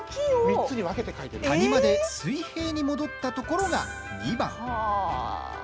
谷間で水平に戻ったところが２番。